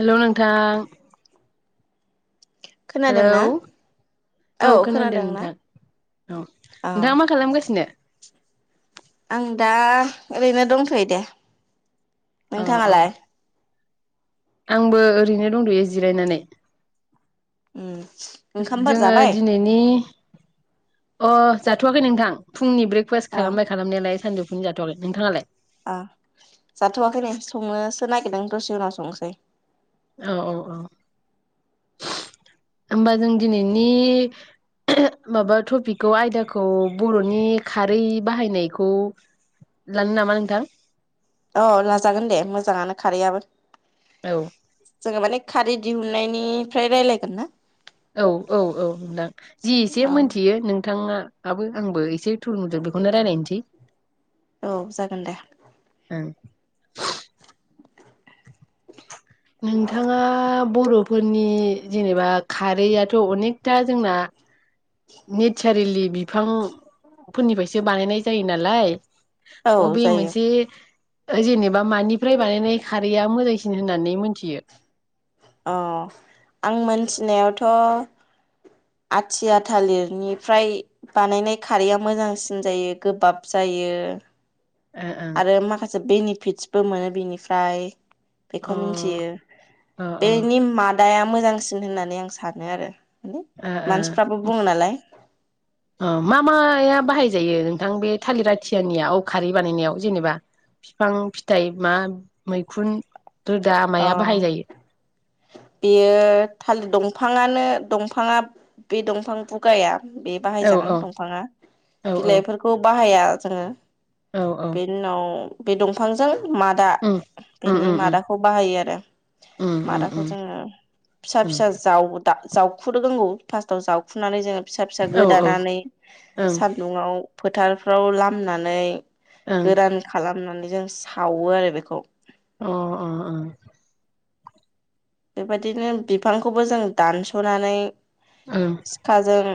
हेल' नोंथां। हेलौ खोनादोंना औ खोनादों नोंथां। औ औ नोंथाङा मा खालामगासिनो? आं दा ओरैनो दंथ'यो दे। अ अ नोंथाङालाय? आंबो ओरैनो दंद'यो जिरायनानै। उम ओंखामफोर जोङो जाबाय दिनैनि अ जाथ'वाखै नोंथां। फुंनि ब्रेकफास्ट अ खालामबाय खालामनायालाय सान्जौफु मोन जाथ'वाखै। नोंथाङालाय? ओ जाथ'वाखै नै संनोसो नागिरदों दसे उनाव संनोसै औ औ औ होमबा जों दिनैनि माबा टपिकखौ आयदाखौ बर'नि खारै बाहायनायखौ लानो नामा नोंथां? औ लाजागोन दे मोजाङानो खारैआाबो औ जोङो माने खारि दिहुननायनिफ्राय रायजलायगोन ना औ औ औ नंदां जि एसे औ मिथियो नों नोंथाङाबो आंबो एसे थुलुमु बेखौनो रायलायनोसै औ जागोन दे। ओं नोंथाङा बर'फोरनि जेनेबा खारैयाथ' अनेकथा जोंना नेचारेलि बिफांफोरनिफ्रायसो बानायनाय जायो नालाय औ अबे जायो मोनसे जेनेबा मानिफ्राय बानायनाय खारैया मोजांसिन होननानै मोनथियो? अ आं मोनथिनायावथ' आथिया थालिरनिफ्राय बानायनाय खारैया मोजांसिन जायो गोबाब जायो ओ आरो माखासे बेनिफिटस मोनो बिनिफ्राय बेखौ ओं मिथियो अ बेनि मादाया मोजांसिन होननानै आं सानो आरो। ओ मानसिफ्राबो ओ बुङो नालाय ओ मा-माया बाहाय जायो नोंथां बे थालिर आथियानियाव औ खारै बानायनायाव जेनेबा बिफां फिथाइ मा मैखुन रोदा अ माया बाहायजायो बेयो थालिर दंफाङा नो दंफाङा बे दंफां बुगाया बे औ बाहायजागोन औ दंफाङा औ औ बिलाइफोरखौ बाहाय बाहाया जोङो। औ औ बिनि उनाव बे दंफांजों मादा उम उम बेनि उम उम मादाखौ खौ बाहायो आरो उम उम मादाखौ उम जोङो फिसा उम फिसा जाव जावख्रु नांगौ फार्स्टआव जावखुनानै जोङो फिसा फिसा औ ओं गोदानानै ओं सान्दुंआव फोथारफ्राव लामनानै अ गोरान खालामनानै जों सावो आरो बेखौ। अ अ ओं बेबायदिनो बिफांखौबो जों दानस'नानै उम सिखाजों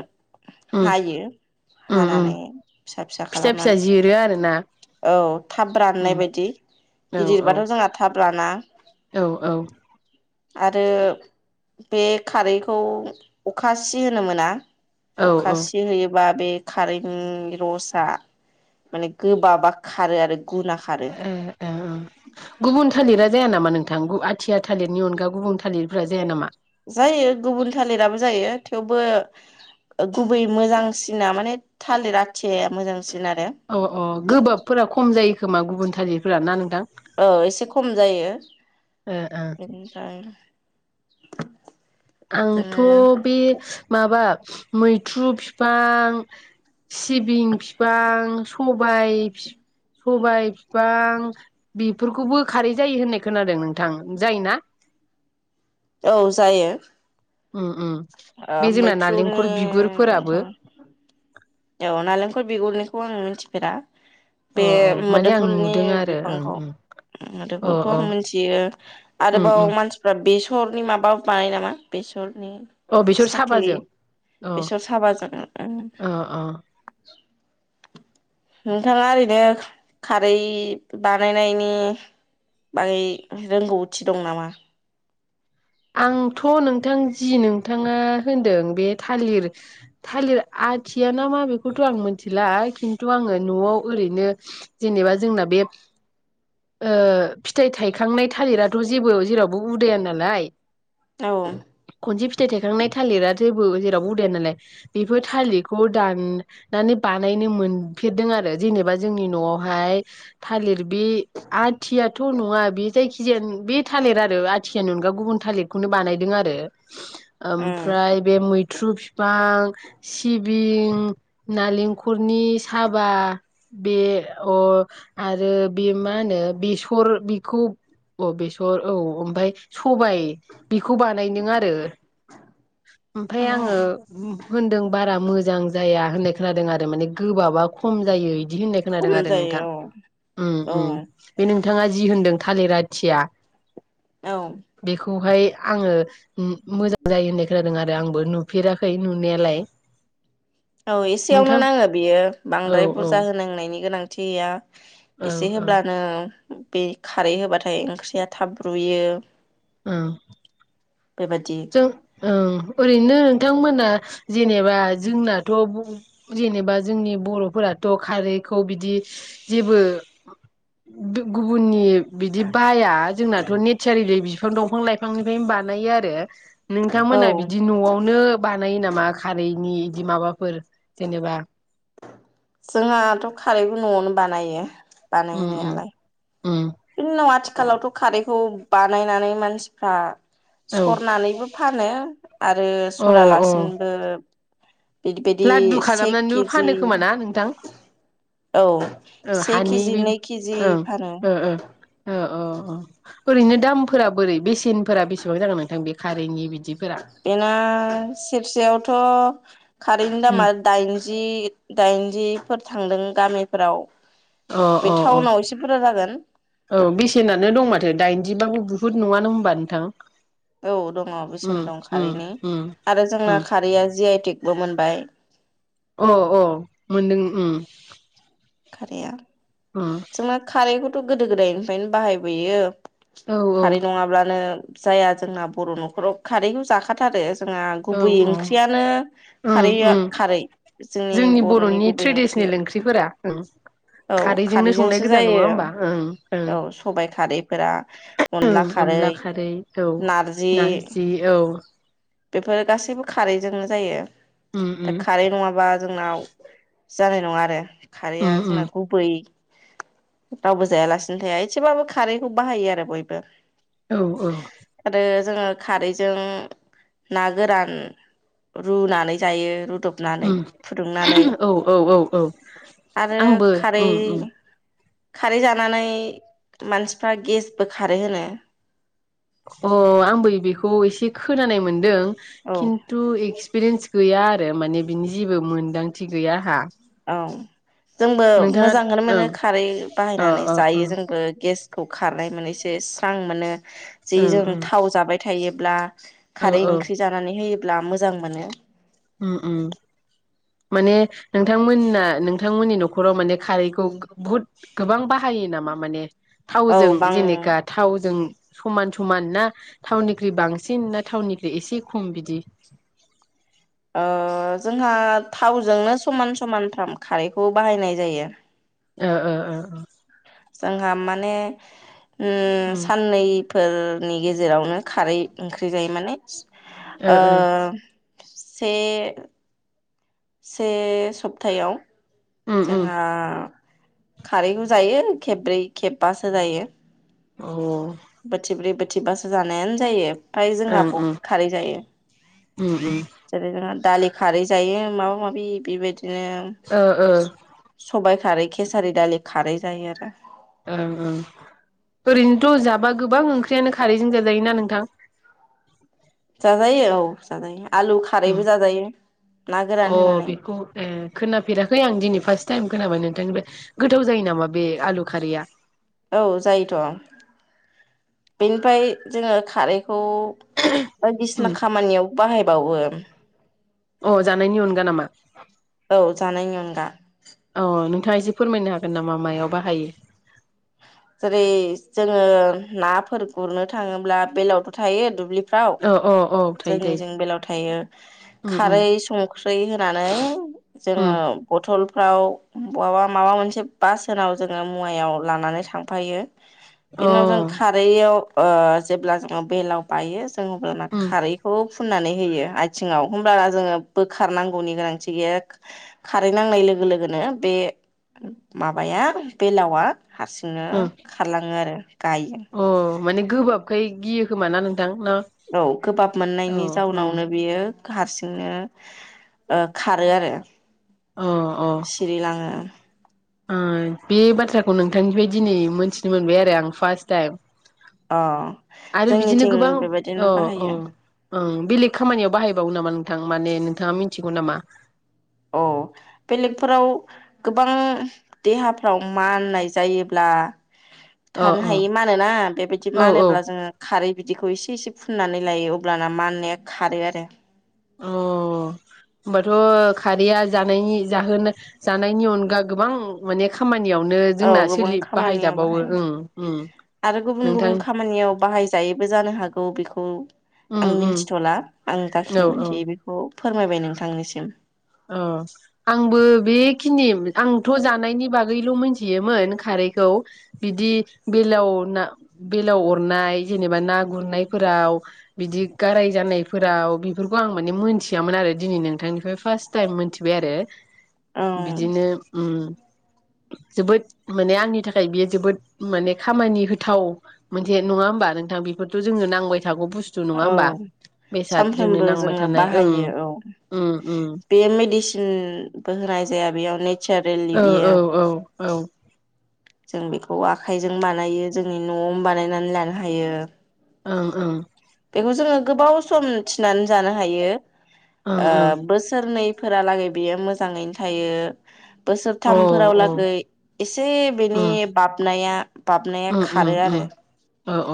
हायो उम उम हानानै फिसा फिसा खालामनानै औ थाब उम राननाय बायदि औ गिदिरबाथ' जोंहा थाब राना। औ औ आरो बे खारैखौ अखा सि होनो मोना। औ अखा औ सि होयोबा बे खारैनि रसा माने गोबाबा खारो आरो। गुना खारो ए ए ओं गुबुन थालिरा जाया नामा नोंथां आथिया थालिरनि अनगा गुबुन थालिरफोरा जाया नामा? जायो गुबुन थालिराबो जायो थेवबो गुबै मोजांसिना माने थालिर आथियाया मोजांसिन। आरो औ अ गोबाबफोरा खम जायो खोमा गुबुन थालिरफोरा ना नोंथां? औ एसे खम जायो ओ ओ बेनिफ्राय आंथ' जोङो बे मा बा मैथ्रु फिफां सिबिं फिफां सबाय सबाय फिफां बेफोरखौबो खारै जायो होननाय खोनादों नोंथां। जायोना? औ जायो। उम उम ओ बे जोंना मैथ्रुनि नालेंखर बिगुरफोराबो दंफां औ नालेंखर बिगुरनिखौ आं मिथिफेरा। बे अ अ माने आं मोदोमफुलनि नुदों आरो बिफांखौ ओं ओं अ मोदोमफुलखौ अ आं मिथियो उम आरोबाव उम मानसिफ्रा बे सम बेसरनि माबा बानायो नामा बेसर नि अ बेसर साख्लि साबाजों अ बेसर साबाजों अ अ नोंथाङा ओरैनो खारै बानायनायनि बागै रोंगौथि दं नामा? आंथ' नोंथां जि नोंथाङा होनदों बे थालिर थालिर आथिया ना मा बेखौथ' आं मिथिला खिन्थु आङो न'आव ओरैनो जेनेबा जोंना बे ओ फिथाइ थायखांनाय थालिराथ' जेबो जेरावबो उदाया नालाय औ ओ खनसे फिथाइ थायखांनाय थालिराथो ओ जेरावबो उदाया नालाय बेफोर थालिरखौ दाननानै बानायनो मोनफेरदों आरो जेनेबा जोंनि न'आवहाय थालिर बे आथियाथ' नङा बे जायखिजाया बे थालिर आरो आथियानि अनगा गुबुन थालिरखौनो बानाय दों आरो ओमफ्राय बे मैथ्रु फिफां सिबिं नालेंखरनि साबा बे अ आरो बे मा होनो बेसर बेखौ औ बेसर औ ओमफाय स सबाय बिखौ बानायदों आरो ओमफाय औ आङो होनदों बारा मोजां जाया होननाय खोनादों आरो माने गोबाबा खम जायो। बिदि होननाय खोनादों खम आरो नोंथां जायो औ ओम ओम। औ बे नोंथाङा जि होनदों थालिर आथिया औ बेखौहाय आङो मो-मोजां जायो होननाय खोनादों आरो आंबो नुफेराखै नुनायालाय। औ एसेयावनो नोंथां नाङो बियो औ बांद्राय औ बुरजा होनांनायनि गोनां थि गैया औ एसे औ होब्लानो बे खारै होबाथाय ओंख्रिया थाब रुयो ओम बेबायदि जों ओं ओरैनो नोंथांमोना जेनेबा जोंनाथ ब जेनेबा जोंनि बरफोराथ खारैखौ बिदि जेबो बे गुबुननि बिदि बाया जोंनाथ नेचारेलि बि बिफां दंफां लाइफांनिफ्रायनो बानायो आरो लांदां औ नोंथांमोना बिदि नआवनो बा नायो नामा खारैनि बिदि माबाफोर जेनेबा जोंहाथ खारैबो नआवनो बानायो उम उम बानायनायालाय उम खालाव आथिखालावथ खारैखौ बानायनानै मानसिफ्रा औ सरनानैबो फानो आरो अ अ सरालासिनोबो बिदि बायदि लाददु से खालामनानैबो केजि फानो खोमा ना नोंथां औ ओ से हानि केजि बे नै केजि ओं फानो ओ ओ अ अ ओरैनो दामफोरा बोरै बेसेनफोरा बेसेबां जागोन नोंथां बे खारैनि बिद बेना सेरसेयावथ थ कारैनि उम दामा दाइनजि दाइनजिफोर थांदों गामिफोराव अ बे अ अ टाउनाव एसे बुरजा जागोन औ बेसेनानो दं माथो दाइनजिबां बुहुद नुवानो होनबा नोंथां औ दङ' बेसेन उम दं उम खारैनि उम आरो जोंना उम खारैया जि आइ टि बो मोनबाय अ अ मोनदों उम खारैया उम जोंना खारै [unintelligible] थ' गोदो गोदायनिफ्रायनो बाहायबोयो। औ औ खारै नङाब्लानो जाया जोंना बर' न'खराव खारैखौ जाखाथारो। जोंहा औ गुबै औ ओंख्रियानो उम खारैया उम खारै। जोंनि बर'नि गुबै ट्रेडिसनेल ओंख्रिया ओंख्रिफोरा ओं खारैजोंनो संनाय गोजान नङा होमबा ओं औ सबाइ खारैफोरा ओंं अनला खारै। औ नारजि औ। बेफोरो गासैबो खारैजोंनो जायो। उम दा उम खारै नङाबा जोंनाव जानाय नङा आरो खारैया उम उम जोंना गुबै रावबो जायालासिनो थाया एसेबाबो खारैखौ बाहायो आरो बयबो औ औ आरो जोङो खारैजों ना गोरान रुनानै जायो। रुदबनानै उम फुदुंनानै औ औ औ औ आरो आंबो खारै उम उम खारै जानानै मानसिफ्रा गेसबो खारो होनो। अ आंबो बेखौ एसे खोनानाय मोनदों। औ खिन्थु एक्सपिरियेन्स गैया आरो माने बिनि जेबो मोनदांथि गैया आंहा। औ जोंबो नोंथाङा मोजांखोनो मोनो ओं खारै अ बाहायनानै अ जायो ओं जोंबो गेस खौ खारनाय मोनो इसे स्रां मोनो। जि ओं जों ओं थाव जाबाय थायो ब्ला औ खारै औ ओंख्रि जानानै होयो ब्ला मोजां मोनो। उम उम माने नोंथांमोना नोंथांमोननि न'खराव माने खारैखौ बुहुद गोबां बाहायो नामा? माने औ थावजों बां जेनेखा थावजों समान समान ना थाउननिख्रुइ बांसिन ना थाउननिख्रुइ एसे खम बिदि आ जोंहा थावजोंनो समान समान थाम खारैखौ बाहायनाय जायो ओ ओ ओ जोंहा माने उम साननैफोरनि गेजेरावनो खारै ओंख्रि जायो माने ओ से से सब्तायाव उम उम जोंहा खारैखौ जायो खेबब्रै खेबबासो जायो अ बोथिब्रै बोथ बासो जानायानो जायो ओमफाय जोंहा ओं बहुद खारै जायो उम उम जेरै जोंहा दालि खारै जायो माबा माबि बेबायदि बिदिनो ओ स सबाय खारै खेसारि दालि खारै जायो आरो ओं ओं ओरैनोथ' जाबा गोबां ओंख्रियानो खारैजों जाजायोना नोंथां साजायो औ साजायो अ गोरान अ होनानै बेखौ उम खोनाफेराखै आं दिनै फार्स्ट टाइम खोनाबाय नोंथांनि बे गोथाव जायो नामा बे आलु खारैया औ जायोथ' बेनिफ्राय जोङो खारैखौ उम बायदिसिना खामानियाव बाहायबाय बावो अ जानायनि अनगा नामा अ जानायनि अनगा औ नोंथाङा एसे फोरमायनो हागोन नामा मायाव बाहायो जेरै जोङो नाफोर गुरनो थाङोब्ला बेलायावथ' थायो दुब्लि फ्राव औ औ औ थायो जोंनि थायो जों बेलायाव थायो उम उम खारै संख्रै होनानै उम जोङो बथल फ्राव बहाबा माबा मोनसे बासोनाव जोङो मुवायाव लानानै थां फायो अ बेनाव जों खारैयाव ओ जेब्ला जोङो बेलाव बायो जों अब्लाना उम खारैखौ फुननानै होयो आथिङाव होमबाना जोङो बोखारनांगौनि गोनांथि गैया खारै नांनाय लोगो लोगोनो बे माबाया बेलावा हारसि नो उम खारलाङो आरो गायो अ माने गोबाबखाय गियो खोमाना नों औ गोबाब मोननायनि उम जाउनावनो बियो हारसिंनो ओ खारो आरो अ अ सिरि लाङो ओ बे बाथ्राखौ नोंथांनिफ्राय दिनै मोनथिनो मोनबाय आरो आं फार्स्ट टाइम अ आरो बिदिनो जोंनिथिं गोबां औ बेबायदिनो औ बाहायो ओं बेलेग खामानियाव बाहायबावो नामा नोंथां माने नोंथाङा मिनथिगौ नामा अ बेलेगफोराव गोबां देहाफ्राव माननाय जायोब्ला अ थानो अ हायि मानोना बेबायदि औ औ मानोब्ला जोङो खारै बिदिखौ एसे एसे फुननानै लायो अब्लाना मा होननाया खारो आरो अ होनबाथ' खारैया जानायनि जाहोन जानायनि अनगा गोबां माने खामानि औ गोबां खामानियाव बाहायो ओं ओं आरो गुबुन नोंथां गुबुन खामानियाव बाहायजायैबो जानो हाग गौ बेखौ उम आं उम मिनथिथ'ला आं औ गाखिनि औ मोनथियो बेखौ फोरमायबाय नोंथांनिसिम अ आंबो बेखिनि आंथ' जानायनि बागैल' मिनथियोमोन खारैखौ बिदि बेलाव ना बेलाव अरनाय जेनेबा ना गुरनायफोराव बिदि गाराय जानायफोराव बेफोरखौ आं माने मोनथियामोन आरो दिनै नोंथांनिफ्राय फार्स्ट टाइम मोनथिबाय आरो औ बिदिनो ओम जोबोद माने आंनि थाखाय बेयो जोबोद माने खामानि होथाव मोनसे नङा होमबा नोंथां बेफोरथ' जोंनो नांबाय थागौ बुस्थु नङा होमबा औ बेसाद जोंनो सानफ्रोमबो नांबाय जोङो थानाय ओं ओम-ओम मेडिसिन बो होनाय जाया बेयाव निक ओ औ-औ-औ जों बेखौ आखाइजों बानायो जोंनि न'आवनो बानायनानै लानो हायो ओं-ओं बेखौ जोङो गोबाव सम थिनानै जानो हायो ओं ओ ओं बोसोरनै फोरालागै बेयो मोजाङैनो थायो औ बोसोरथामफोराव ओं लागै एसे बेनि ओम बाबनाया बाबनाया खारो आरो अ-अ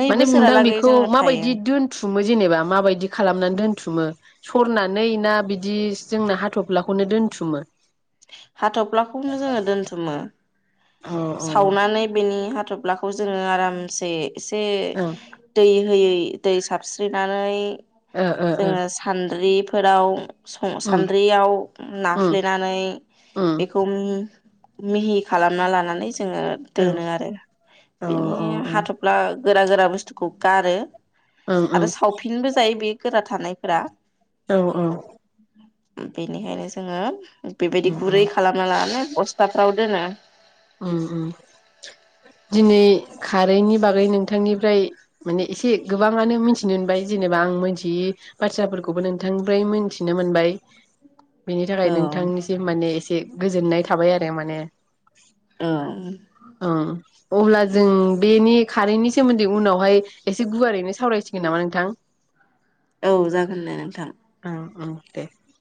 नै माने मुदां बोसोरालागै बेखौ जोङो थायो माबायदि दोनथुमो जेनेबा माबायदि खालामनानै दोनथुमो सरनानै ना बिदि जोंना हाथ'फ्लाखौनो दोन्थुमो हाथ'फ्लाखौनो जोङो दोनथुमो। अ अ सावनानै बेनि हाथब फ्लाखौ जोङो आरामसे। एसे ओं दै हो होयै दै साबस्रिनानै। ओ ओ ओ जोङो सान्द्रि फोराव। सं ओम सान्द्रियाव ओम नाफ्लेनानै। ओम बेखौ मि मिहि खालामना लानानै जो जोङो ओं दोनो आरो औ बिनि ओं ओं हाथ'फ्ला गोरा गोरा बुस्थुखौ गारो। ओं आरो सावफिनबो जायो बे गोरा थानायफोरा। औ औ। बेनिखायनो जोङो बेबायदि ओम गुरै खालामना लानानै बस्थाफ्राव दोनो। उम उम। दिनै खारैनि बागै नोंथांनिफ्राय माने एसे गोबाङानो मिथिनो मोनबाय जेनेबा आं मोनथियै बाथ्राफोरखौबो नोंथांनिफ्राय मोनथिनो मोनबाय। बेनि थाखाय औ नोंथांनिसिम माने एस ए गोजोन्नाय थाबाय आरो माने। ओं। ओं अब्ला जों बेनि कारेन्टनि सोमोन्दै उनावहाय एसे गुवारैनो सावरायसिगोन नामा नोंथां। औ जागोन दे नोंथां। उम उम दे।